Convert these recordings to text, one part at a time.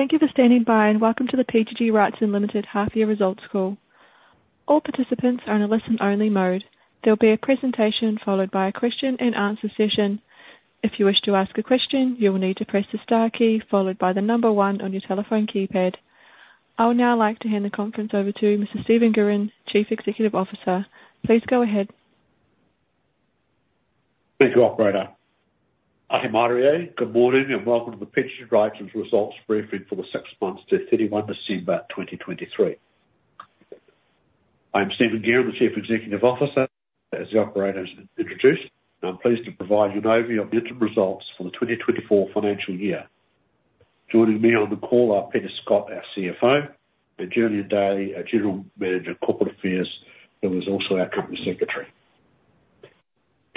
Thank you for standing by and welcome to the PGG Wrightson Limited Half-Year Results Call. All participants are in a listen-only mode. There will be a presentation followed by a question-and-answer session. If you wish to ask a question, you will need to press the star key followed by the number 1 on your telephone keypad. I would now like to hand the conference over to Mr. Stephen Guerin, Chief Executive Officer. Please go ahead. Thank you, Operator. Kia ora. Good morning and welcome to the PGG Wrightson’s results briefing for the six months to 31 December 2023. I am Stephen Guerin, the Chief Executive Officer. As the Operator has introduced, I’m pleased to provide you an overview of the interim results for the 2024 financial year. Joining me on the call are Peter Scott, our CFO, and Julian Daly, our General Manager of Corporate Affairs who is also our Company Secretary.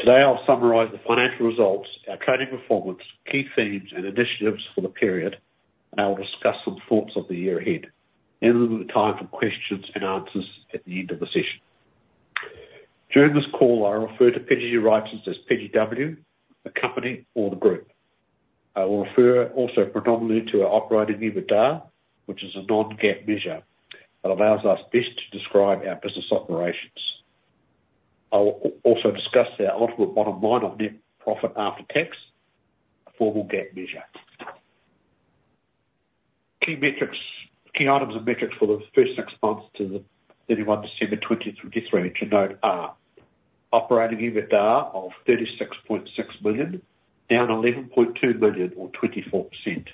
Today I’ll summarize the financial results, our trading performance, key themes, and initiatives for the period, and I will discuss some thoughts of the year ahead. Then we’ll make time for questions and answers at the end of the session. During this call I refer to PGG Wrightson as PGW, the company, or the group. I will refer also predominantly to our Operating EBITDA, which is a non-GAAP measure that allows us best to describe our business operations. I will also discuss our ultimate bottom line of net profit after tax, a formal GAAP measure. Key items of metrics for the first six months to 31 December 2023, to note, are: Operating EBITDA of 36.6 million, down 11.2 million or 24%;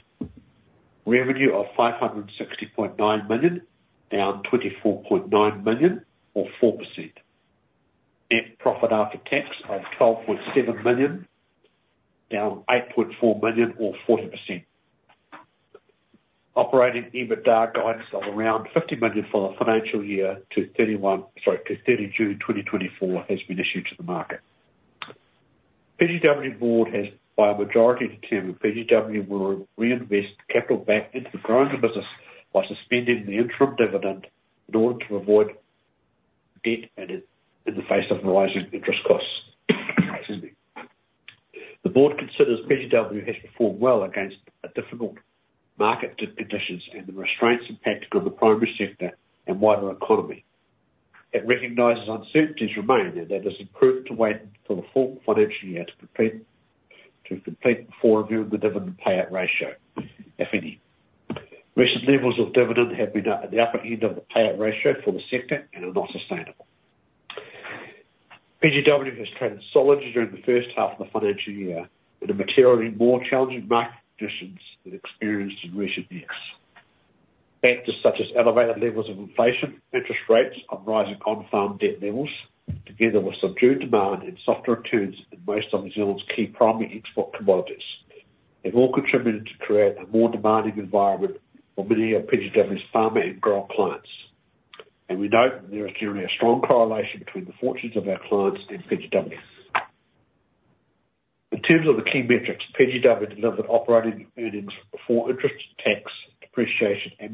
revenue of 560.9 million, down 24.9 million or 4%; net profit after tax of 12.7 million, down 8.4 million or 40%. Operating EBITDA guidance of around 50 million for the financial year to 30 June 2024 has been issued to the market. PGW Board has by a majority determined PGW will reinvest capital back into the growing business by suspending the interim dividend in order to avoid debt in the face of rising interest costs. Excuse me. The Board considers PGW has performed well against difficult market conditions and the restraints impacting on the primary sector and wider economy. It recognizes uncertainties remain and that it is prudent to wait for the full financial year to complete before reviewing the dividend payout ratio, if any. Recent levels of dividend have been at the upper end of the payout ratio for the sector and are not sustainable. PGW has traded solidly during the first half of the financial year in a materially more challenging market conditions than experienced in recent years. Factors such as elevated levels of inflation, interest rates on rising farm debt levels, together with subdued demand and softer returns in most of New Zealand's key primary export commodities, have all contributed to create a more demanding environment for many of PGW's farmer and grower clients. We note that there is generally a strong correlation between the fortunes of our clients and PGW. In terms of the key metrics, PGW delivered operating earnings before interest, tax, depreciation, and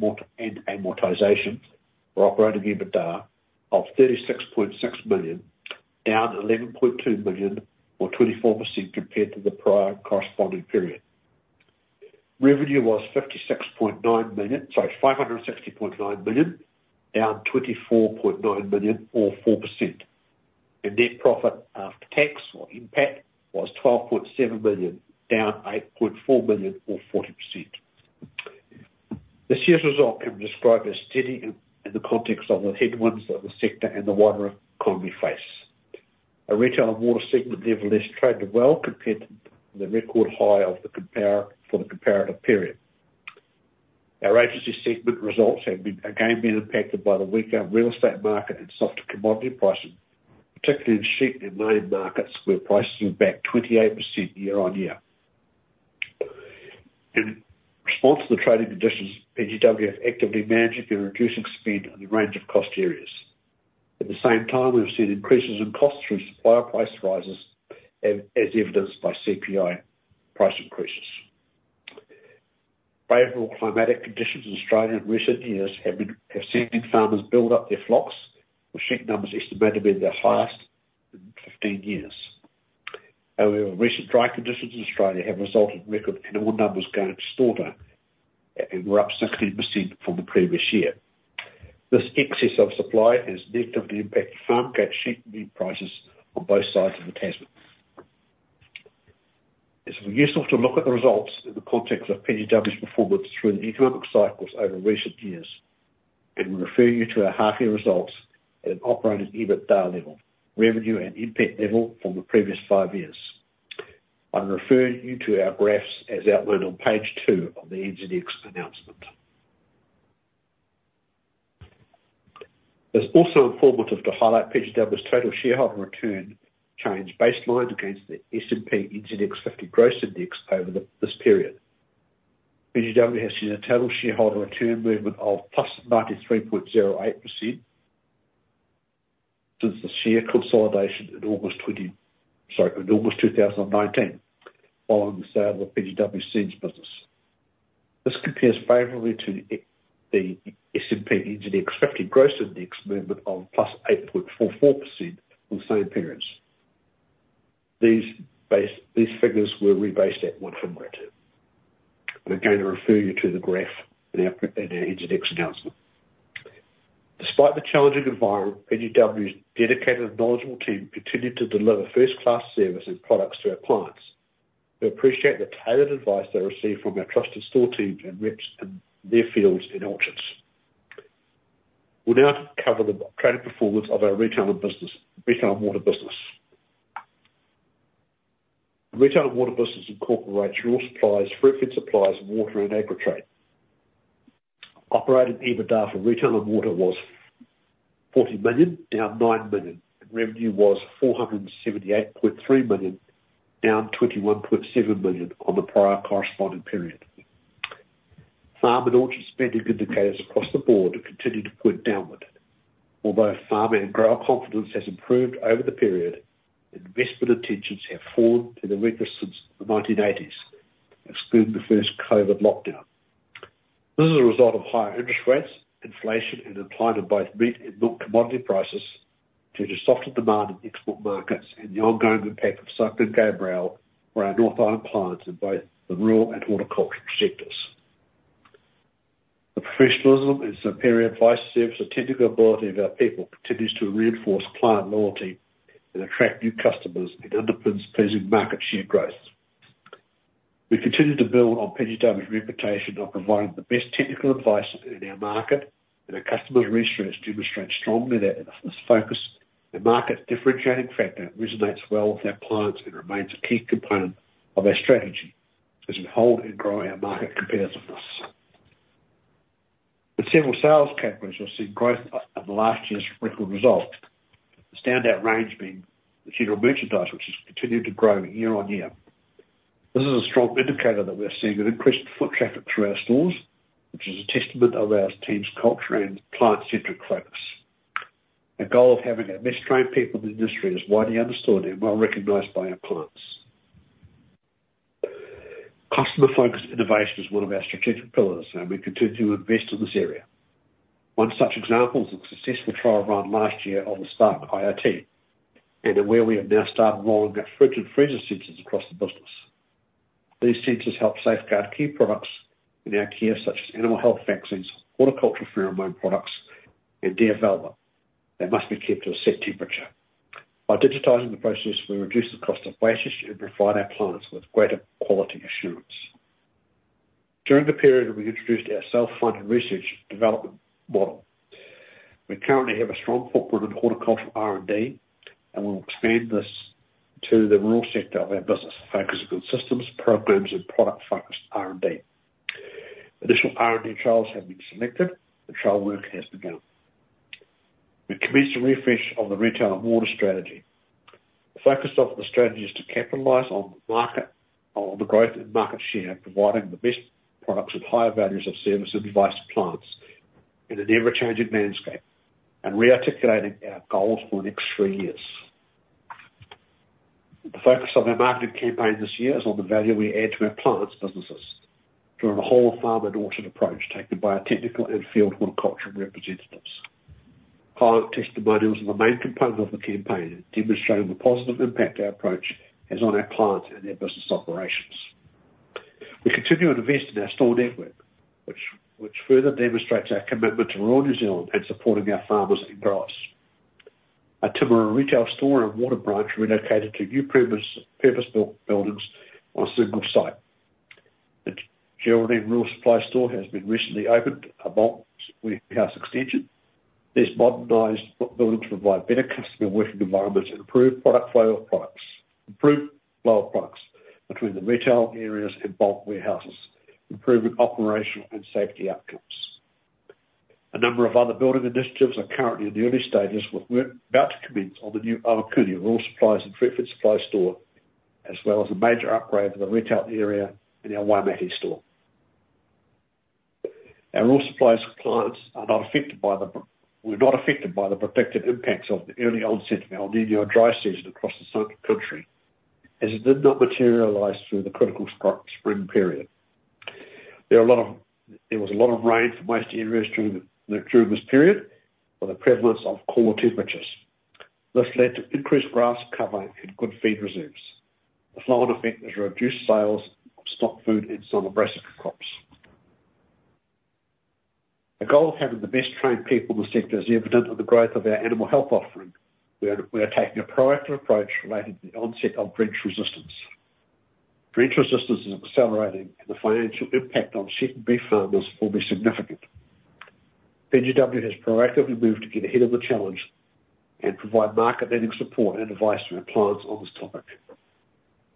amortization for operating EBITDA of 36.6 million, down 11.2 million or 24% compared to the prior corresponding period. Revenue was 560.9 million down 24.9 million or 4%. Net profit after tax, or NPAT, was 12.7 million, down 8.4 million or 40%. This year's result can be described as steady in the context of the headwinds that the sector and the wider economy face. Our retail and Water segment, nevertheless, traded well compared to the record high for the comparative period. Our agency segment results have again been impacted by the weaker real estate market and softer commodity pricing, particularly in sheep and lamb markets where prices were back 28% year-on-year. In response to the trading conditions, PGW has actively managed it by reducing spend in a range of cost areas. At the same time, we have seen increases in costs through supplier price rises, as evidenced by CPI price increases. Favorable climatic conditions in Australia in recent years have seen farmers build up their flocks, with sheep numbers estimated to be the highest in 15 years. However, recent dry conditions in Australia have resulted in record animal numbers going to slaughter and were up significantly from the previous year. This excess of supply has negatively impacted farm gate sheep meat prices on both sides of the Tasman. It will be useful to look at the results in the context of PGW's performance through the economic cycles over recent years, and we refer you to our half-year results at an operating EBITDA level, revenue, and NPAT level from the previous five years. I will refer you to our graphs as outlined on page two of the NZX announcement. It's also informative to highlight PGW's total shareholder return change baseline against the S&P/NZX 50 Gross Index over this period. PGW has seen a total shareholder return movement of plus 93.08% since the share consolidation in August 2019, following the sale of PGW Seeds business. This compares favorably to the S&P/NZX 50 Gross Index movement of plus 8.44% from the same periods. These figures were rebased at 100. Again, I refer you to the graph in our NZX announcement. Despite the challenging environment, PGW's dedicated and knowledgeable team continue to deliver first-class service and products to our clients. We appreciate the tailored advice they receive from our trusted store teams and reps in their fields and orchards. We'll now cover the trading performance of our retail and water business. The retail and water business incorporates Rural Supplies, Fruitfed Supplies, water, and Agritrade. Operating EBITDA for retail and water was 40 million, down 9 million, and revenue was 478.3 million, down 21.7 million on the prior corresponding period. Farm and orchard spending indicators across the board continue to point downward. Although farm and grower confidence has improved over the period, investment intentions have fallen to the weakness since the 1980s, excluding the first COVID lockdown. This is a result of higher interest rates, inflation, and decline in both meat and milk commodity prices due to softer demand in export markets and the ongoing impact of Cyclone Gabrielle for our North Island clients in both the rural and horticultural sectors. The professionalism and superior advice service and technical ability of our people continue to reinforce client loyalty and attract new customers and underpins pleasing market share growth. We continue to build on PGW's reputation of providing the best technical advice in our market, and our customers' research demonstrates strongly that this focus and market differentiating factor resonates well with our clients and remains a key component of our strategy as we hold and grow our market competitiveness. In several sales categories, we've seen growth in the last year's record result, the standout range being the general merchandise, which has continued to grow year-on-year. This is a strong indicator that we're seeing an increased foot traffic through our stores, which is a testament of our team's culture and client-centric focus. Our goal of having our best trained people in the industry is widely understood and well recognized by our clients. Customer-focused innovation is one of our strategic pillars, and we continue to invest in this area. One such example is the successful trial run last year of the Spark IoT, and where we have now started rolling out fridge and freezer sensors across the business. These sensors help safeguard key products in our care, such as animal health vaccines, horticultural pheromone products, and DLF that must be kept to a set temperature. By digitizing the process, we reduce the cost of wastage and provide our clients with greater quality assurance. During the period, we introduced our self-funded research development model. We currently have a strong footprint in horticultural R&D, and we will expand this to the rural sector of our business, focusing on systems, programs, and product-focused R&D. Initial R&D trials have been selected, and trial work has begun. We commenced a refresh of the retail and water strategy. The focus of the strategy is to capitalize on the growth in market share, providing the best products and higher values of service and advice and compliance in an ever-changing landscape, and rearticulating our goals for the next three years. The focus of our marketing campaign this year is on the value we add to our clients' businesses through a whole farm and orchard approach taken by our technical and field horticultural representatives. Client testimony was the main component of the campaign, demonstrating the positive impact our approach has on our clients and their business operations. We continue to invest in our store network, which further demonstrates our commitment to rural New Zealand and supporting our farmers and growers. Our Timaru retail store and water branch relocated to new purpose-built buildings on a single site. The Geraldine Rural Supply Store has a recently opened Bulk Warehouse Extension. These modernized buildings provide better customer working environments and improved flow of products between the retail areas and Bulk Warehouses, improving operational and safety outcomes. A number of other building initiatives are currently in the early stages, with work about to commence on the new Whakatane Rural Supplies and Fruitfed Supplies Store, as well as a major upgrade for the retail area and our Waimate store. Our rural supplies clients are not affected by the predicted impacts of the early onset of El Niño and dry season across the central country, as it did not materialize through the critical spring period. There was a lot of rain for most areas during this period, with the prevalence of cooler temperatures. This led to increased grass cover and good feed reserves. The flow-on effect has reduced sales of stock food and some brassica crops. Our goal of having the best trained people in the sector is evident in the growth of our animal health offering. We are taking a proactive approach related to the onset of drench resistance. Drench resistance is accelerating, and the financial impact on sheep and beef farmers will be significant. PGW has proactively moved to get ahead of the challenge and provide market-leading support and advice to our clients on this topic.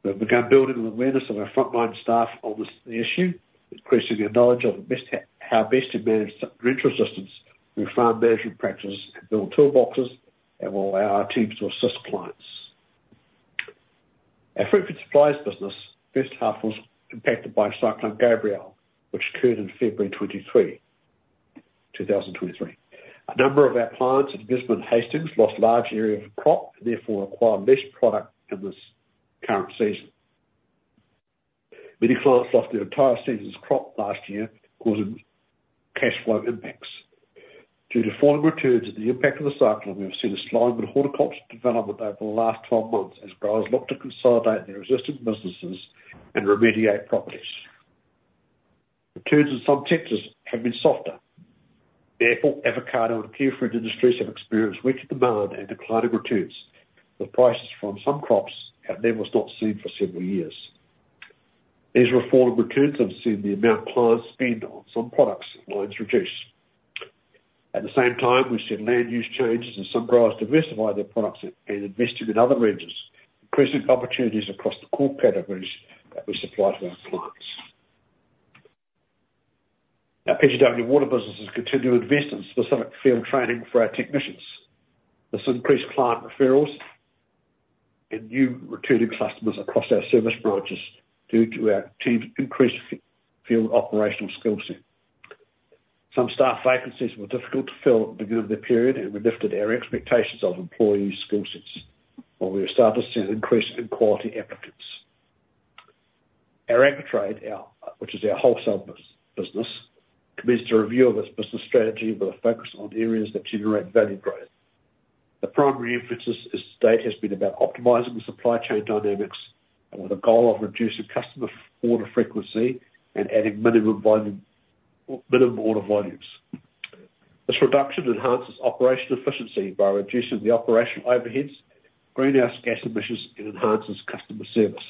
We have begun building an awareness of our frontline staff on the issue, increasing their knowledge of how best to manage drench resistance through farm management practices and build toolboxes, and will allow our teams to assist clients. Our Fruitfed Supplies business's first half was impacted by Cyclone Gabrielle, which occurred in February 2023. A number of our plants at Gisborne, Hastings lost large areas of crop and therefore acquired less product in this current season. Many clients lost their entire season's crop last year, causing cash flow impacts. Due to falling returns and the impact of the cyclone, we have seen a slowing in horticulture development over the last 12 months as growers look to consolidate their existing businesses and remediate properties. Returns in some sectors have been softer. Therefore, avocado and kiwi fruit industries have experienced weaker demand and declining returns, with prices from some crops at levels not seen for several years. These lower returns have seen the amount clients spend on some product lines reduce. At the same time, we've seen land use changes as some growers diversify their products and invest in other ranges, increasing opportunities across the core categories that we supply to our clients. Our PGW Water business has continued to invest in specific field training for our technicians. This increased client referrals and new returning customers across our service branches due to our team's increased field operational skill set. Some staff vacancies were difficult to fill at the beginning of the period, and we lifted our expectations of employees' skill sets, while we have started to see an increase in quality applicants. Our Agritrade, which is our wholesale business, commenced a review of its business strategy with a focus on areas that generate value growth. The primary emphasis to date has been about optimizing the supply chain dynamics with a goal of reducing customer order frequency and adding minimum order volumes. This reduction enhances operational efficiency by reducing the operational overheads, greenhouse gas emissions, and enhances customer service.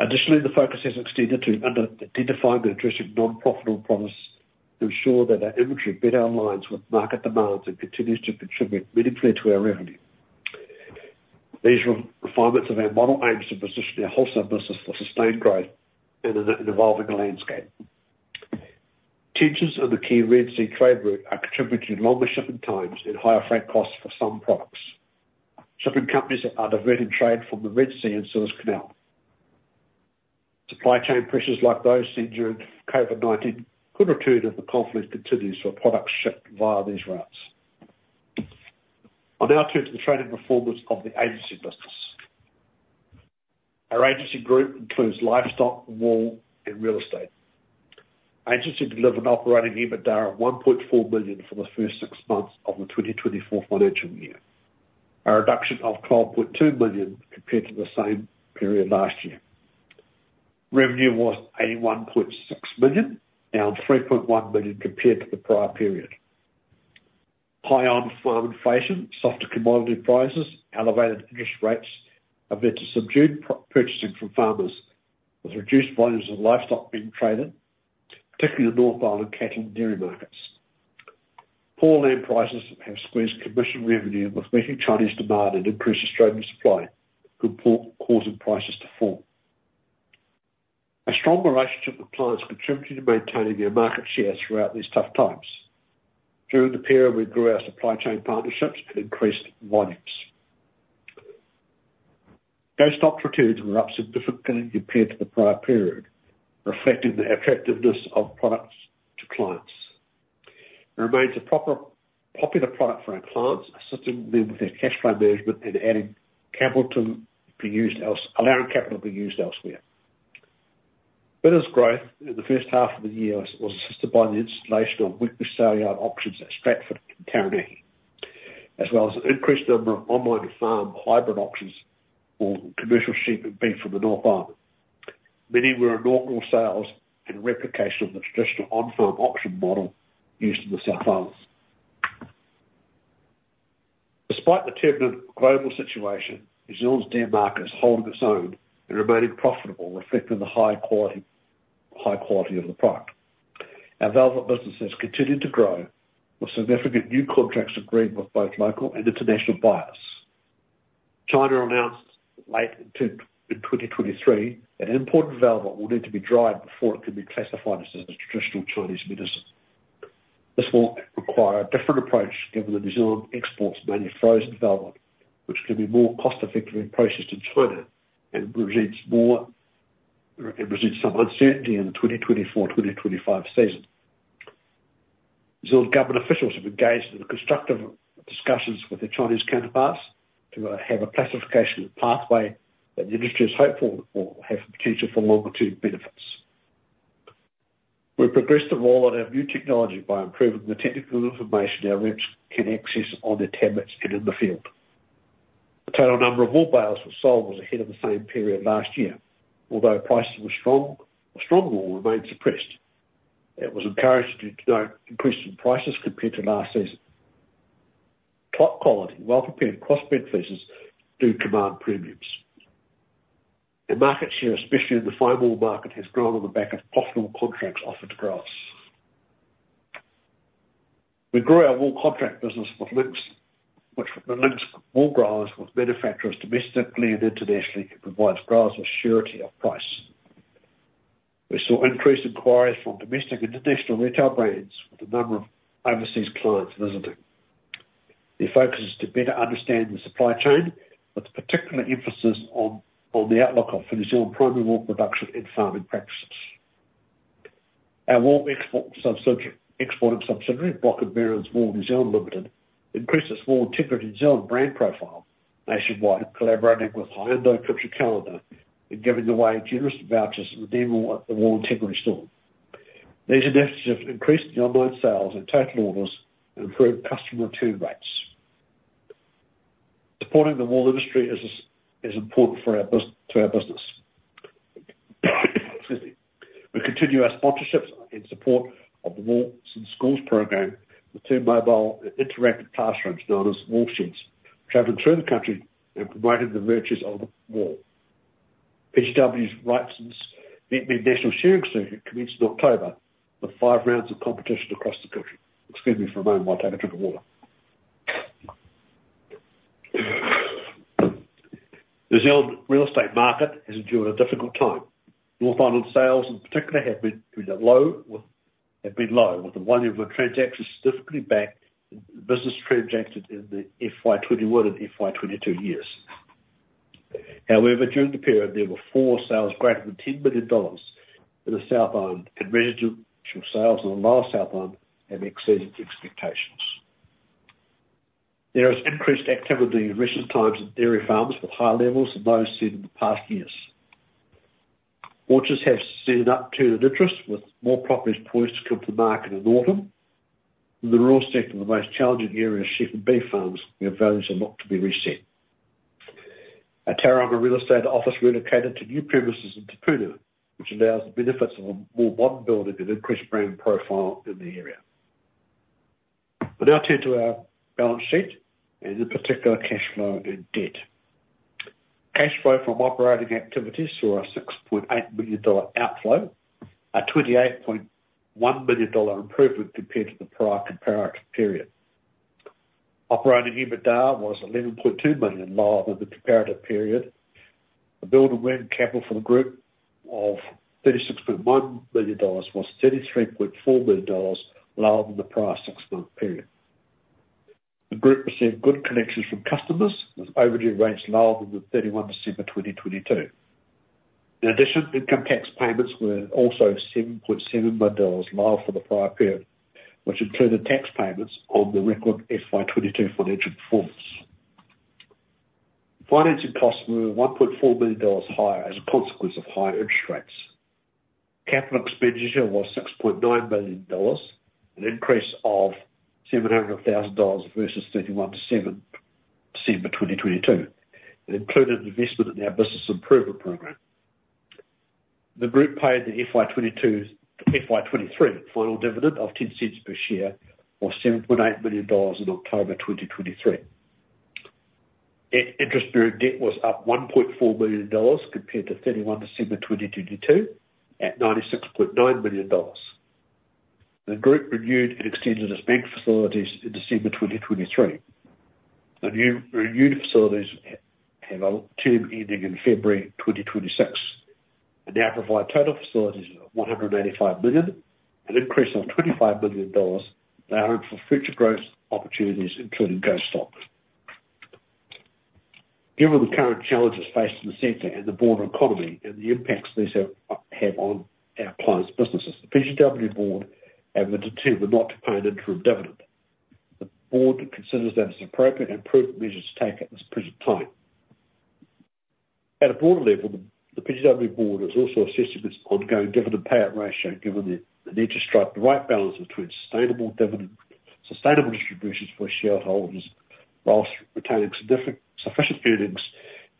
Additionally, the focus has extended to identifying and addressing non-profitable products to ensure that our inventory better aligns with market demands and continues to contribute meaningfully to our revenue. These refinements of our model aim to position our wholesale business for sustained growth in an evolving landscape. Tensions on the key Red Sea trade route are contributing to longer shipping times and higher freight costs for some products. Shipping companies are diverting trade from the Red Sea and Suez Canal. Supply chain pressures like those seen during COVID-19 could return if the conflict continues for products shipped via these routes. On our turn to the trading performance of the agency business. Our agency group includes livestock, wool, and real estate. Agency delivered operating EBITDA of 1.4 million for the first six months of the 2024 financial year, a reduction of 12.2 million compared to the same period last year. Revenue was 81.6 million, down 3.1 million compared to the prior period. High on-farm inflation, softer commodity prices, elevated interest rates have led to subdued purchasing from farmers, with reduced volumes of livestock being traded, particularly in the North Island cattle and dairy markets. Poor land prices have squeezed commission revenue, with weaker Chinese demand and increased Australian supply causing prices to fall. A stronger relationship with clients contributed to maintaining their market share throughout these tough times. During the period, we grew our supply chain partnerships and increased volumes. GO-STOCK returns were up significantly compared to the prior period, reflecting the attractiveness of products to clients. It remains a popular product for our clients, assisting them with their cash flow management and allowing capital to be used elsewhere. bidr's growth in the first half of the year was assisted by the installation of weekly sale-yard auctions at Stratford and Tauranga, as well as an increased number of online farm hybrid auctions for commercial sheep and beef from the North Island. Many were inaugural sales and a replication of the traditional on-farm auction model used in the South Island. Despite the turbulent global situation, New Zealand's dairy market is holding its own and remaining profitable, reflecting the high quality of the product. Our velvet business has continued to grow, with significant new contracts agreed with both local and international buyers. China announced late in 2023 that imported velvet will need to be dried before it can be classified as a traditional Chinese medicine. This will require a different approach given that New Zealand exports mainly frozen velvet, which can be more cost-effectively processed in China and results in some uncertainty in the 2024-2025 season. New Zealand government officials have engaged in constructive discussions with their Chinese counterparts to have a classification pathway that the industry is hopeful will have potential for longer-term benefits. We've progressed the roll-out of new technology by improving the technical information our reps can access on their tablets and in the field. The total number of wool bales sold was ahead of the same period last year, although prices were strong or remained suppressed. It was encouraged due to increases in prices compared to last season. Top-quality, well-prepared crossbred fleeces do command premiums. Our market share, especially in the fine wool market, has grown on the back of profitable contracts offered to growers. We grew our wool contract business with links, which links wool growers with manufacturers domestically and internationally and provides growers with surety of price. We saw increased inquiries from domestic and international retail brands, with a number of overseas clients visiting. The focus is to better understand the supply chain, with particular emphasis on the outlook of New Zealand primary wool production and farming practices. Our wool exporting subsidiary, Bloch & Behrens Wool (NZ) Ltd, increased its Wool Integrity New Zealand brand profile nationwide, collaborating with Hyundai Country Calendar and giving away generous vouchers to redeem wool at the Wool Integrity store. These initiatives increased the online sales and total orders and improved customer return rates. Supporting the wool industry is important to our business. Excuse me. We continue our sponsorships in support of the Wool in Schools program with two mobile and interactive classrooms known as Woolsheds, traveling through the country and promoting the virtues of the wool. PGG Wrightson's Vetmed National Shearing Circuit commenced in October with five rounds of competition across the country. Excuse me for a moment. I'll take a drink of water. New Zealand's real estate market has endured a difficult time. North Island sales, in particular, have been low, with a volume of transactions significantly back in the business transacted in the FY 2021 and FY 2022 years. However, during the period, there were four sales greater than 10 million dollars in the South Island, and residential sales in the South Island have exceeded expectations. There is increased activity in recent times at dairy farms, with higher levels than those seen in the past years. Orchards have seen an upturn in interest, with more properties poised to come to market in autumn. In the rural sector, the most challenging area is sheep and beef farms, where values are not to be reset. Our Tauranga real estate office relocated to new premises in Te Puna, which allows the benefits of a more modern building and increased brand profile in the area. Turning to our balance sheet, and in particular, cash flow and debt. Cash flow from operating activities saw a 6.8 million dollar outflow, a 28.1 million dollar improvement compared to the prior corresponding period. Operating EBITDA was 11.2 million lower than the comparative period. The capex for the group of 36.1 million dollars was 33.4 million dollars lower than the prior six-month period. The group received good collections from customers, with overdue rates lower than the 31st December 2022. In addition, income tax payments were also 7.7 million dollars lower for the prior period, which included tax payments on the record FY22 financial performance. Financing costs were NZD 1.4 million higher as a consequence of higher interest rates. Capital expenditure was NZD 6.9 million, an increase of NZD 700,000 versus 31st December 2022, and included investment in our business improvement program. The group paid the FY23 final dividend of 0.10 per share, or 7.8 million dollars in October 2023. Interest-bearing debt was up 1.4 million dollars compared to 31st December 2022 at 96.9 million dollars. The group renewed and extended its bank facilities in December 2023. The renewed facilities have a term ending in February 2026 and now provide total facilities of 185 million, an increase of 25 million dollars therein for future growth opportunities, including GO-STOCK. Given the current challenges faced in the sector and the broader economy and the impacts these have on our clients' businesses, the PGW board has been determined not to pay an interim dividend. The board considers that as appropriate and approved measures to take at this present time. At a broader level, the PGW board is also assessing its ongoing dividend payout ratio given the need to strike the right balance between sustainable dividend, sustainable distributions for shareholders, whilst retaining sufficient earnings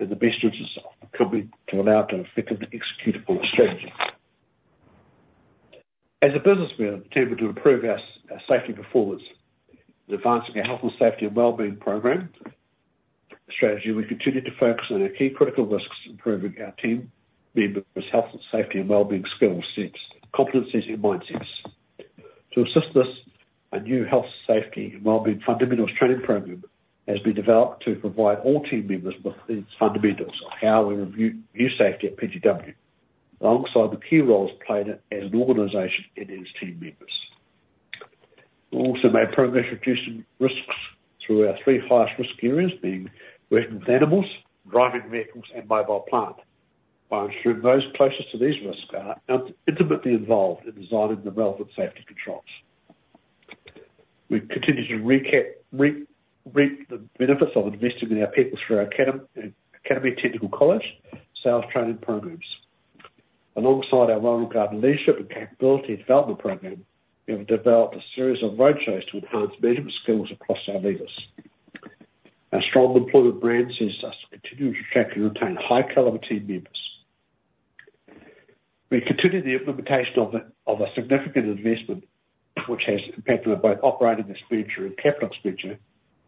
and the best interests of the company to allow it to effectively execute upon a strategy. As a business we're, determined to improve our safety performance in advancing our health and safety and wellbeing program strategy, we continue to focus on our key critical risks, improving our team members' health and safety and wellbeing skill sets, competencies, and mindsets. To assist this, a new health, safety, and wellbeing fundamentals training program has been developed to provide all team members with its fundamentals of how we review safety at PGW, alongside the key roles played as an organization and its team members. We've also made progress reducing risks through our three highest risk areas, being working with animals, driving vehicles, and mobile plant, by ensuring those closest to these risks are intimately involved in designing the relevant safety controls. We continue to reap the benefits of investing in our people through our Academy Technical College sales training programs. Alongside our Wintergarden leadership and capability development program, we have developed a series of roadshows to enhance management skills across our leaders. Our strong employment brand sees us continue to attract and retain high-caliber team members. We continue the implementation of a significant investment, which has impacted on both operating expenditure and capital expenditure,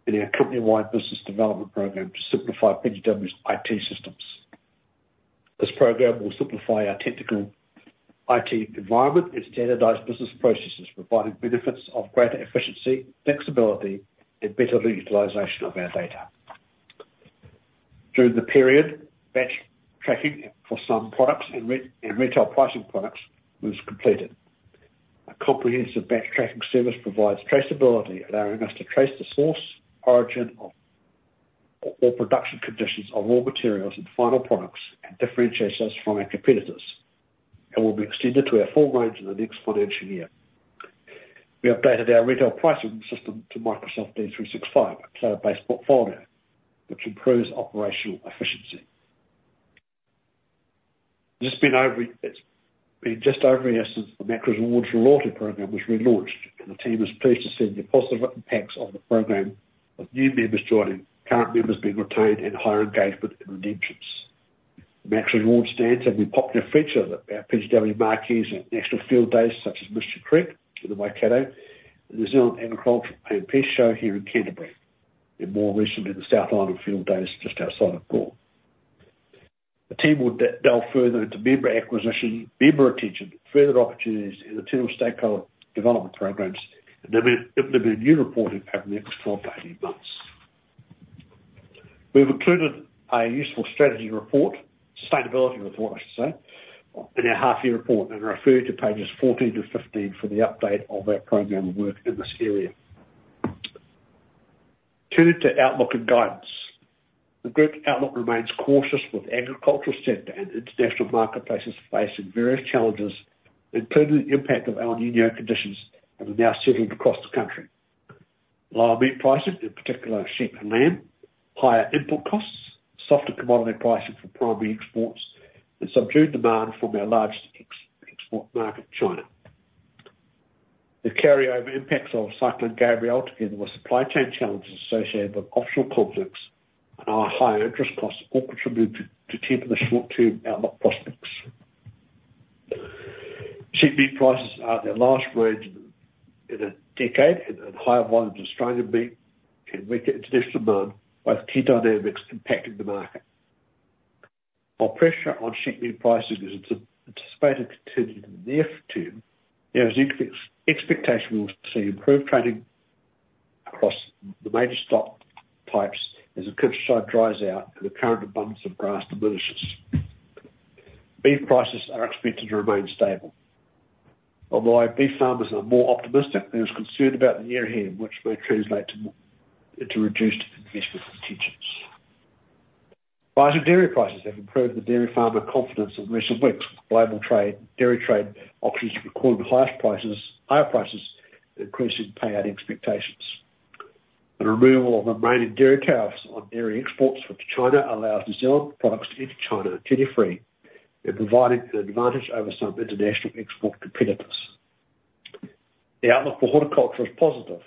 in our company-wide business development program to simplify PGW's IT systems. This program will simplify our technical IT environment and standardize business processes, providing benefits of greater efficiency, flexibility, and better utilization of our data. During the period, batch tracking for some products and retail pricing products was completed. A comprehensive batch tracking service provides traceability, allowing us to trace the source, origin, or production conditions of raw materials and final products and differentiate those from our competitors, and will be extended to our full range in the next financial year. We updated our retail pricing system to Microsoft D365, a cloud-based portfolio, which improves operational efficiency. It's been just over a year since the Max Rewards program was relaunched, and the team is pleased to see the positive impacts of the program, with new members joining, current members being retained, and higher engagement and redemptions. The Max Rewards stands to be a popular feature of our PGW marquees at national field days such as Mystery Creek in the Waikato, the New Zealand Agricultural and Pastoral Show here in Canterbury, and more recently, the South Island Field Days just outside of Gore. The team will delve further into member acquisition, member attention, further opportunities, and internal stakeholder development programs and implement new reporting over the next 12-18 months. We've included a useful strategy report, sustainability report, I should say, in our half-year report and referred to pages 14-15 for the update of our program and work in this area. Turning to outlook and guidance. The group's outlook remains cautious with the agricultural sector and international marketplaces facing various challenges, including the impact of El Niño conditions that are now settled across the country. Lower meat pricing, in particular sheep and lamb, higher input costs, softer commodity pricing for primary exports, and subdued demand from our largest export market, China. The carryover impacts of Cyclone Gabrielle, together with supply chain challenges associated with offshore conflicts and our higher interest costs, all contribute to temper the short-term outlook prospects. Sheep meat prices are at their lowest range in a decade, and higher volumes of Australian meat can weigh on international demand, with key dynamics impacting the market. While pressure on sheep meat pricing is anticipated to continue in the near future, there is expectation we will see improved trading across the major stock types as the countryside dries out and the current abundance of grass diminishes. Beef prices are expected to remain stable. Although beef farmers are more optimistic, there is concern about the year ahead, which may translate into reduced investment intentions. Dairy prices have improved dairy farmer confidence in recent weeks, with Global Dairy Trade auctions recording higher prices and increasing payout expectations. The removal of remaining tariffs on dairy exports to China allows New Zealand products to enter China duty-free and provide an advantage over some international export competitors. The outlook for horticulture is positive,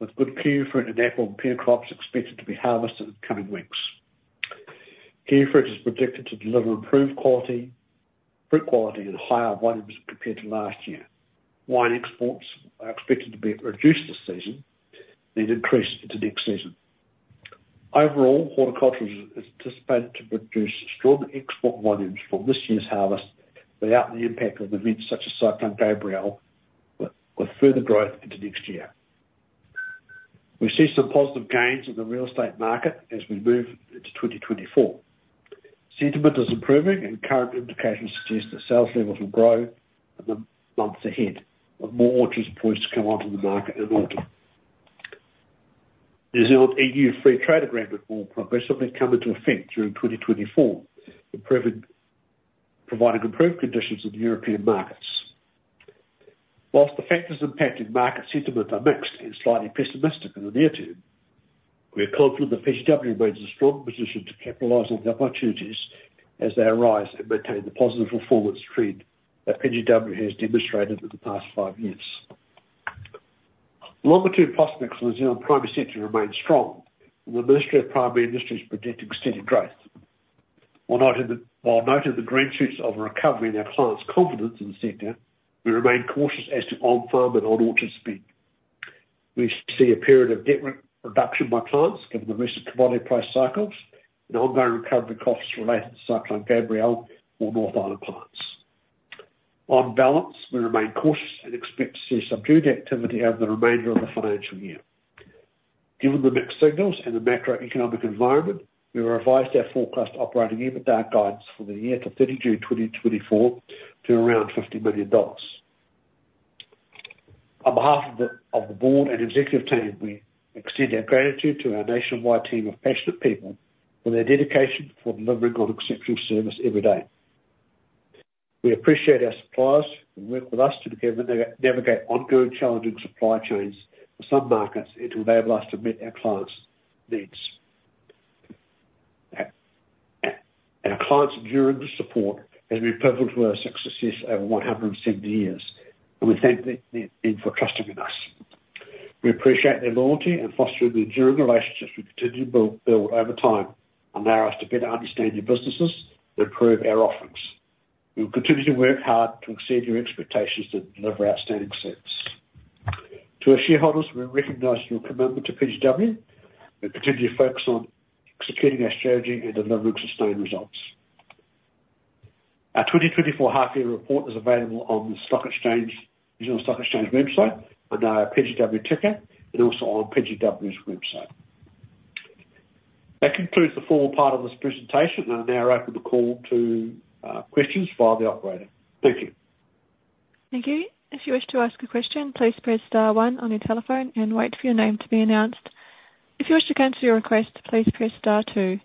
with good kiwifruit and apple and pear crops expected to be harvested in the coming weeks. Kiwifruit is predicted to deliver improved fruit quality and higher volumes compared to last year. Wine exports are expected to be reduced this season and increased into next season. Overall, horticulture is anticipated to produce stronger export volumes from this year's harvest without the impact of events such as Cyclone Gabrielle, with further growth into next year. We see some positive gains in the real estate market as we move into 2024. Sentiment is improving, and current implications suggest that sales levels will grow in the months ahead, with more orchards poised to come onto the market in autumn. New Zealand's EU free trade agreement will progressively come into effect during 2024, providing improved conditions in the European markets. While the factors impacting market sentiment are mixed and slightly pessimistic in the near term, we are confident the PGW remains a strong position to capitalize on the opportunities as they arise and maintain the positive performance trend that PGW has demonstrated in the past five years. Longer-term prospects for New Zealand's primary sector remain strong, and the Ministry for Primary Industries is predicting steady growth. While noting the green shoots of a recovery in our clients' confidence in the sector, we remain cautious as to on-farm and on-orchard spend. We see a period of debt reduction by clients given the recent commodity price cycles and ongoing recovery costs related to Cyclone Gabrielle or North Island plants. On balance, we remain cautious and expect to see subdued activity over the remainder of the financial year. Given the mixed signals and the macroeconomic environment, we have revised our forecast Operating EBITDA guidance for the year to 30 June 2024 to around 50 million dollars. On behalf of the board and executive team, we extend our gratitude to our nationwide team of passionate people for their dedication for delivering an exceptional service every day. We appreciate our suppliers who work with us to navigate ongoing challenging supply chains for some markets and to enable us to meet our clients' needs. Our clients' enduring support has been pivotal to our success over 170 years, and we thank them for trusting in us. We appreciate their loyalty and fostering enduring relationships we continue to build over time and allow us to better understand your businesses and improve our offerings. We will continue to work hard to exceed your expectations and deliver outstanding service. To our shareholders, we recognize your commitment to PGW and continue to focus on executing our strategy and delivering sustained results. Our 2024 half-year report is available on the regional stock exchange website under our PGW ticker and also on PGW's website. That concludes the formal part of this presentation, and I now open the call to questions via the operator. Thank you. Thank you. If you wish to ask a question, please press star one on your telephone and wait for your name to be announced. If you wish to cancel your request, please press star two.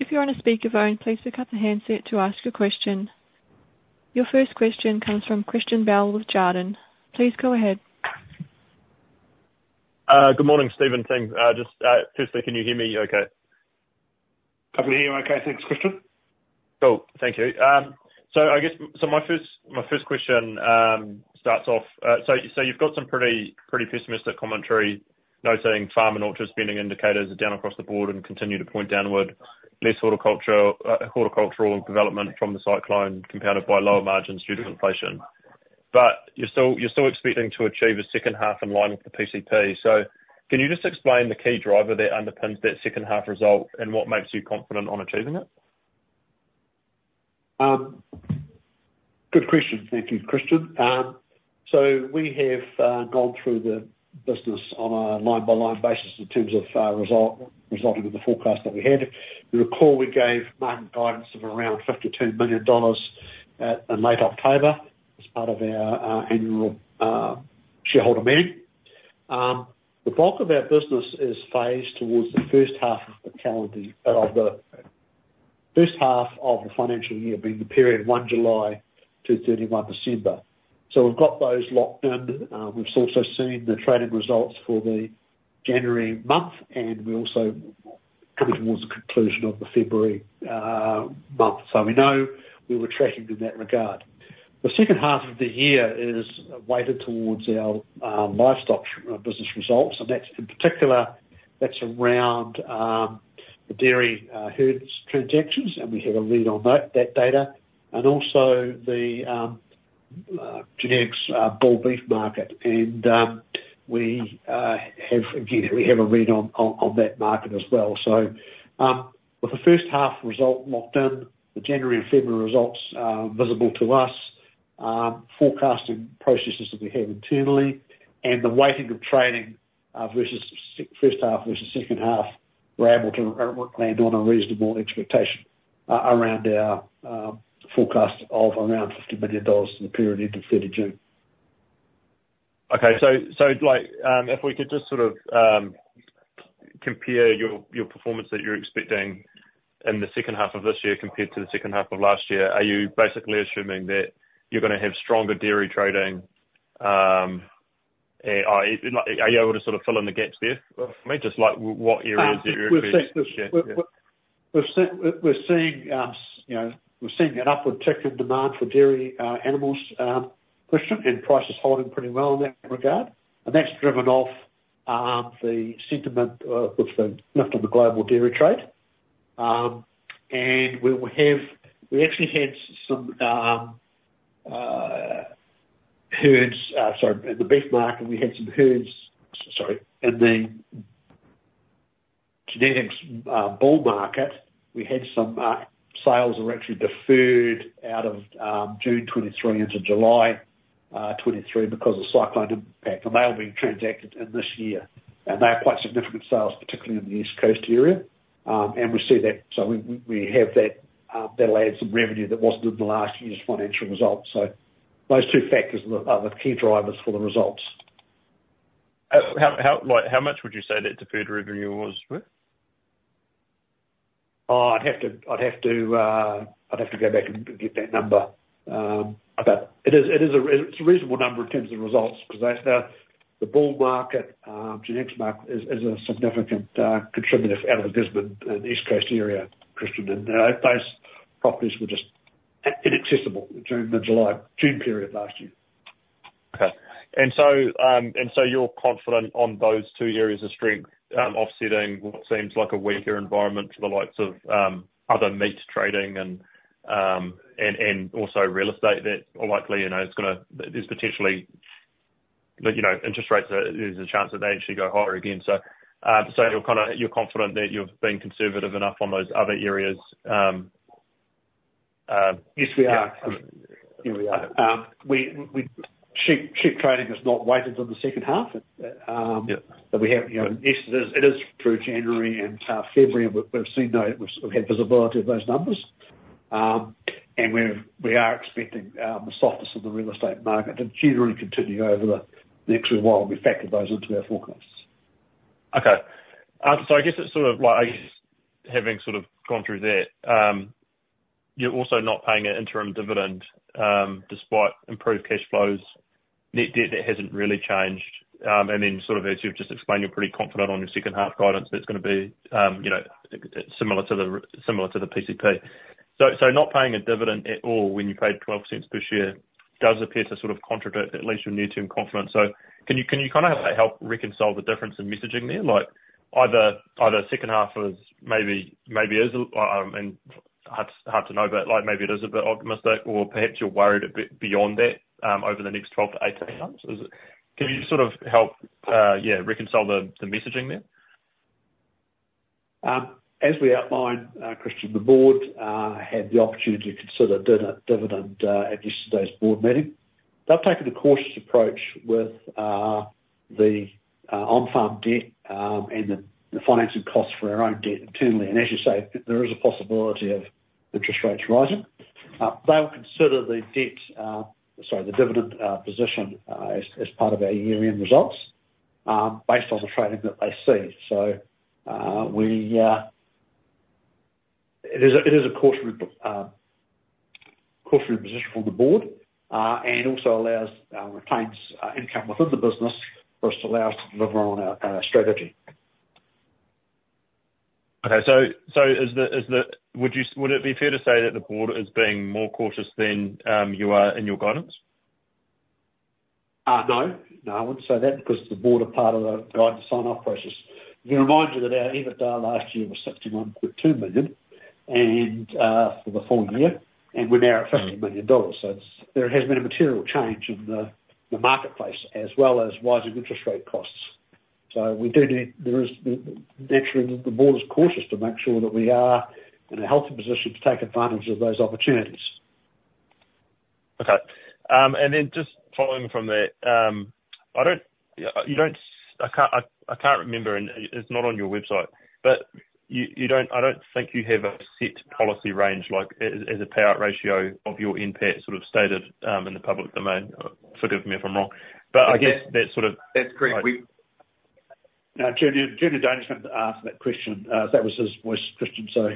If you're on a speakerphone, please pick up the handset to ask a question. Your first question comes from Christian Bell with Jarden. Please go ahead. Good morning, Stephen team. Firstly, can you hear me okay? I can hear you okay. Thanks, Christian. Cool. Thank you. So my first question starts off so you've got some pretty pessimistic commentary, noting farm and orchard spending indicators are down across the board and continue to point downward, less horticultural development from the cyclone compounded by lower margins due to inflation. But you're still expecting to achieve a second half in line with the PCP. So can you just explain the key driver that underpins that second half result and what makes you confident on achieving it? Good question. Thank you, Christian. So we have gone through the business on a line-by-line basis in terms of resulting with the forecast that we had. You recall we gave market guidance of around 52 million dollars in late October as part of our annual shareholder meeting. The bulk of our business is phased towards the first half of the calendar of the first half of the financial year, being the period 1 July to 31 December. So we've got those locked in. We've also seen the trading results for the January month and coming towards the conclusion of the February month. So we know we were tracking in that regard. The second half of the year is weighted towards our livestock business results, and in particular, that's around the dairy herds transactions, and we have a read on that data, and also the genetics bull beef market. Again, we have a read on that market as well. So with the first half result locked in, the January and February results visible to us, forecasting processes that we have internally, and the weighting of trading versus first half versus second half, we're able to land on a reasonable expectation around our forecast of around 50 million dollars for the period end of 30 June. Okay. So if we could just sort of compare your performance that you're expecting in the second half of this year compared to the second half of last year? Are you basically assuming that you're going to have stronger dairy trading? Are you able to sort of fill in the gaps there for me, just what areas that you're expecting? We're seeing an upward ticket demand for dairy animals, Christian, and prices holding pretty well in that regard. And that's driven off the sentiment with the lift on the Global Dairy Trade. And we actually had some sales in the genetics bull market that were actually deferred out of June 2023 into July 2023 because of cyclone impact, and they'll be transacted in this year. And they are quite significant sales, particularly in the East Coast area. And we see that. So we have that that'll add some revenue that wasn't in the last year's financial results. So those two factors are the key drivers for the results. How much would you say that deferred revenue was worth? I'd have to go back and get that number. It's a reasonable number in terms of results because the bull market, genetics market, is a significant contributor out of the Gisborne and East Coast area, Christian. Those properties were just inaccessible during the June period last year. Okay. So you're confident on those two areas of strength offsetting what seems like a weaker environment for the likes of other meat trading and also real estate that likely is going to, there's potentially interest rates, there's a chance that they actually go higher again. So you're confident that you've been conservative enough on those other areas? Yes, we are. Yeah, we are. Sheep trading is not weighted in the second half. But yes, it is through January and February, and we've had visibility of those numbers. And we are expecting the softness in the real estate market to generally continue over the next week while we factor those into our forecasts. Okay. So I guess it's sort of I guess having sort of gone through that, you're also not paying an interim dividend despite improved cash flows. Net debt hasn't really changed. And then sort of as you've just explained, you're pretty confident on your second half guidance that it's going to be similar to the PCP. So not paying a dividend at all when you paid 0.12 per year does appear to sort of contradict at least your near-term confidence. So can you kind of help reconcile the difference in messaging there? Either second half maybe is a and hard to know, but maybe it is a bit optimistic, or perhaps you're worried a bit beyond that over the next 12-18 months? Can you sort of help, yeah, reconcile the messaging there? As we outlined, Christian, the board had the opportunity to consider dividend at yesterday's board meeting. They've taken a cautious approach with the on-farm debt and the financing costs for our own debt internally. As you say, there is a possibility of interest rates rising. They will consider the debt sorry, the dividend position as part of our year-end results based on the trading that they see. So it is a cautionary position from the board and also retains income within the business, but it allows us to deliver on our strategy. Okay. So would it be fair to say that the board is being more cautious than you are in your guidance? No. No, I wouldn't say that because the board are part of the guidance sign-off process. Let me remind you that our EBITDA last year was 61.2 million for the full year, and we're now at 50 million dollars. So there has been a material change in the marketplace as well as rising interest rate costs. So naturally, the board is cautious to make sure that we are in a healthy position to take advantage of those opportunities. Okay. And then just following from that, I can't remember and it's not on your website, but I don't think you have a set policy range as a payout ratio of your NPAT sort of stated in the public domain. Forgive me if I'm wrong. But I guess that sort of. That's correct. Jarden analyst asked that question. That was Christian, so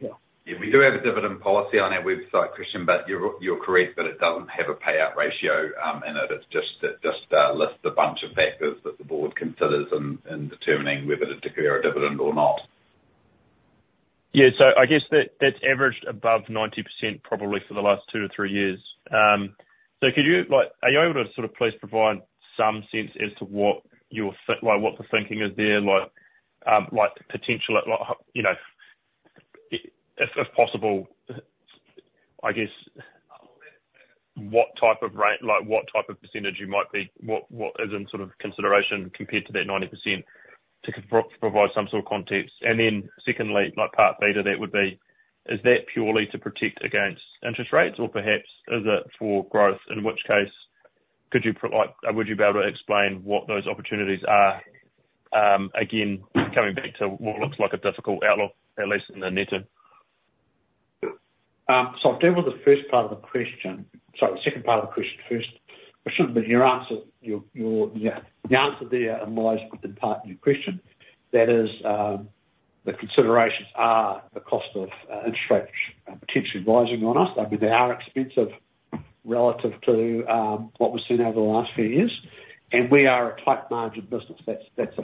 yeah. Yeah. We do have a dividend policy on our website, Christian, but you're correct that it doesn't have a payout ratio in it. It just lists a bunch of factors that the board considers in determining whether to declare a dividend or not. Yeah. So I guess that's averaged above 90% probably for the last two to three years. So are you able to sort of please provide some sense as to what the thinking is there? Potentially, if possible, I guess what type of rate what type of percentage you might be what is in sort of consideration compared to that 90% to provide some sort of context. And then secondly, part beta that would be, is that purely to protect against interest rates, or perhaps is it for growth? In which case, could you would you be able to explain what those opportunities are? Again, coming back to what looks like a difficult outlook, at least in the netter. So I've dealt with the first part of the question, sorry, the second part of the question first. But your answer there emerged in part of your question. That is, the considerations are the cost of interest rates potentially rising on us. I mean, they are expensive relative to what we've seen over the last few years, and we are a tight-margined business. That's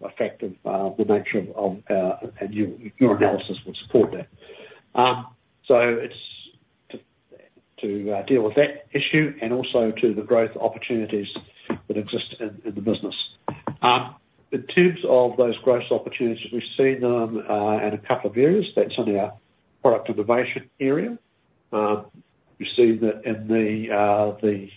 a fact of the nature of our and your analysis would support that. So it's to deal with that issue and also to the growth opportunities that exist in the business. In terms of those growth opportunities, we've seen them in a couple of areas. That's in our product innovation area. We've seen it in the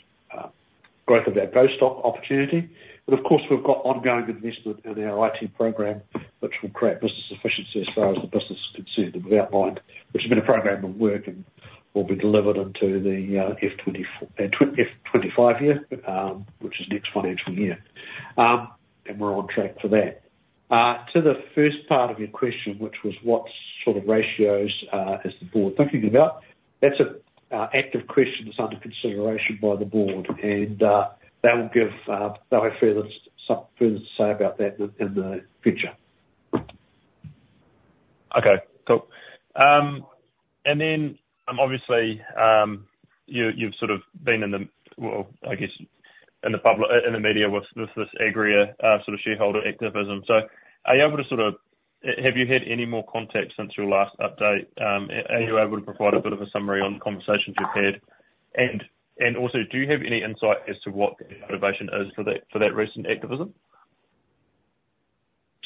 growth of our GO-STOCK opportunity. And of course, we've got ongoing investment in our IT program, which will create business efficiency as far as the business is concerned. We've outlined which has been a program of work and will be delivered into the F2025 year, which is next financial year. We're on track for that. To the first part of your question, which was what sort of ratios is the board thinking about, that's an active question that's under consideration by the board, and they will give they'll have further to say about that in the future. Okay. Cool. And then obviously, you've sort of been in the well, I guess, in the media with this Agria sort of shareholder activism. So are you able to sort of have you had any more contact since your last update? Are you able to provide a bit of a summary on the conversations you've had? And also, do you have any insight as to what the motivation is for that recent activism?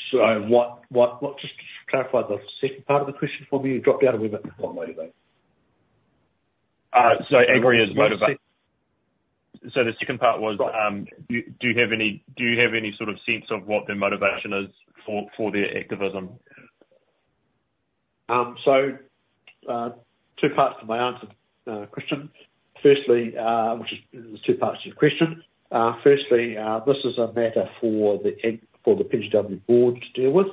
Just clarify the second part of the question for me. You dropped out a wee bit. What motivates? Agria is motivated, so the second part was, do you have any sort of sense of what their motivation is for their activism? So two parts to my answer, Christian. Firstly, which is two parts to your question. Firstly, this is a matter for the PGW board to deal with.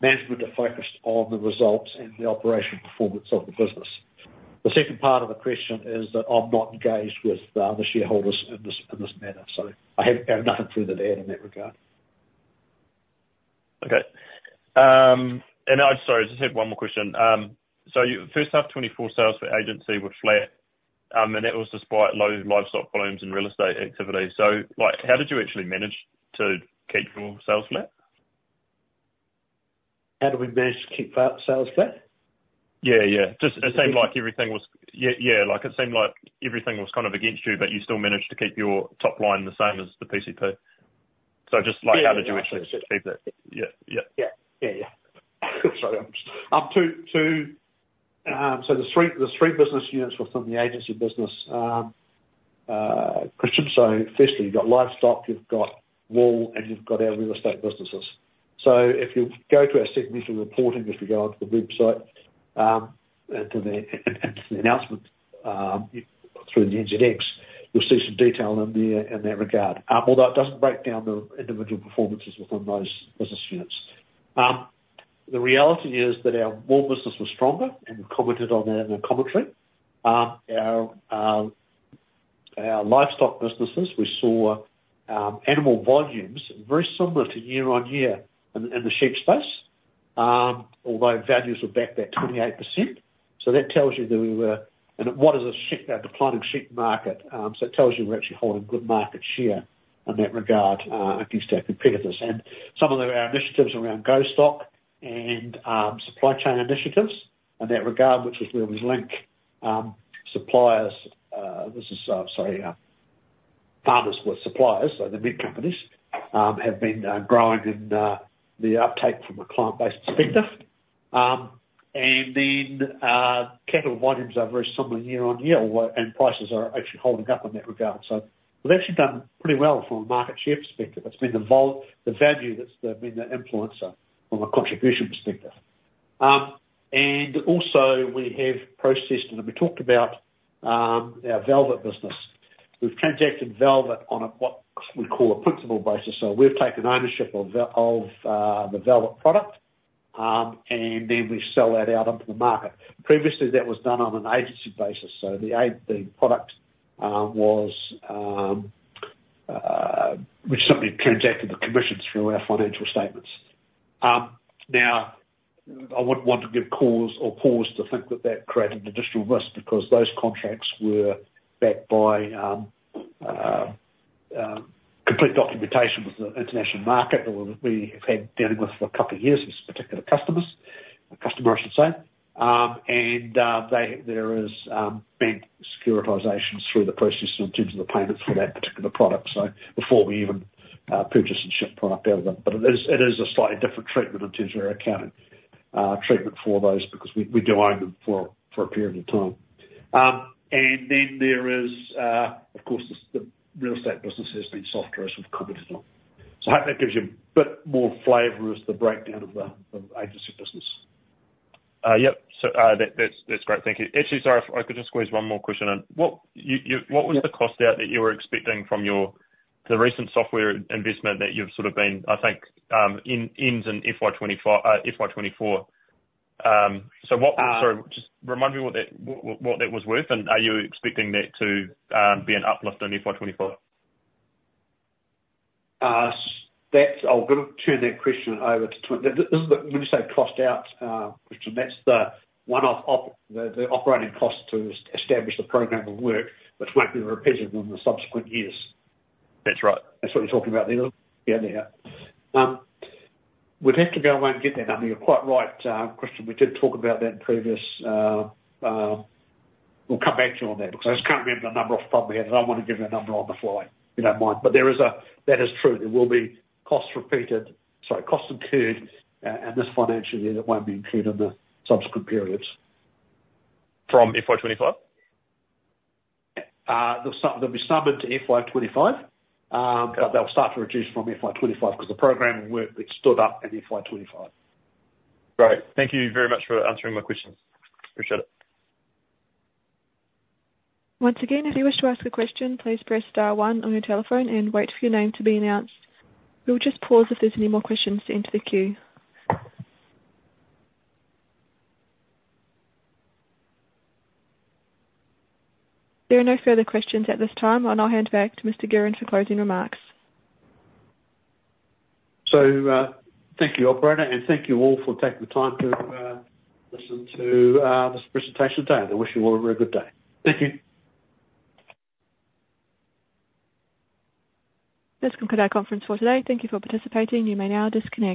Management are focused on the results and the operational performance of the business. The second part of the question is that I'm not engaged with the shareholders in this matter. So I have nothing further to add in that regard. Okay. And sorry, I just had one more question. So first half 2024 sales for agency were flat, and that was despite low livestock volumes and real estate activity. So how did you actually manage to keep your sales flat? How did we manage to keep sales flat? Yeah, yeah. It seemed like everything was kind of against you, but you still managed to keep your top line the same as the PCP. So just how did you actually achieve that? Yeah, yeah. Yeah. Yeah, yeah. Sorry. So the three business units within the agency business, Christian, so firstly, you've got livestock, you've got wool, and you've got our real estate businesses. So if you go to our segmental reporting, if you go onto the website and to the announcement through the NZX, you'll see some detail in that regard. Although it doesn't break down the individual performances within those business units. The reality is that our wool business was stronger, and we've commented on that in our commentary. Our livestock businesses, we saw animal volumes very similar to year-on-year in the sheep space, although values were back that 28%. So that tells you that we were in what is a declining sheep market. So it tells you we're actually holding good market share in that regard against our competitors. And some of our initiatives around GO-STOCK and supply chain initiatives in that regard, which is where we link farmers with suppliers, so the meat companies, have been growing in the uptake from a client-based perspective. And then cattle volumes are very similar year-on-year, and prices are actually holding up in that regard. So we've actually done pretty well from a market share perspective. It's been the value that's been the influencer from a contribution perspective. And also, we have processed and we talked about our velvet business. We've transacted velvet on what we call a principal basis. So we've taken ownership of the velvet product, and then we sell that out into the market. Previously, that was done on an agency basis. So the product was, we simply transacted the commissions through our financial statements. Now, I wouldn't want to give cause or pause to think that that created additional risk because those contracts were backed by complete documentation with the international market that we have had dealing with for a couple of years with particular customers, customer, I should say. And there has been securitizations through the process in terms of the payments for that particular product, so before we even purchased a sheep product out of them. But it is a slightly different treatment in terms of our accounting treatment for those because we do own them for a period of time. And then there is, of course, the real estate business has been softer as we've commented on. So I hope that gives you a bit more flavor as the breakdown of the agency business. Yep. That's great. Thank you. Actually, sorry, if I could just squeeze one more question in. What was the cost out that you were expecting from the recent software investment that you've sort of been, I think, ends in FY2024? So sorry, just remind me what that was worth, and are you expecting that to be an uplift in FY2024? I'll turn that question over to when you say cost out, Christian. That's the one-off operating cost to establish the program of work, which won't be repeated in the subsequent years. That's right. That's what you're talking about there, isn't it? Yeah, yeah. We'd have to go away and get that. I mean, you're quite right, Christian. We did talk about that in previous we'll come back to you on that because I just can't remember the number of problems we had, and I don't want to give you a number on the fly. You don't mind. But that is true. There will be costs repeated sorry, costs incurred in this financial year that won't be incurred in the subsequent periods. From FY24? There'll be some into FY25, but they'll start to reduce from FY25 because the program of work that stood up in FY25. Great. Thank you very much for answering my questions. Appreciate it. Once again, if you wish to ask a question, please press star one on your telephone and wait for your name to be announced. We will just pause if there's any more questions to enter the queue. There are no further questions at this time, and I'll hand back to Mr. Guerin for closing remarks. Thank you, operator, and thank you all for taking the time to listen to this presentation today. I wish you all a very good day. Thank you. That's concluded our conference for today. Thank you for participating. You may now disconnect.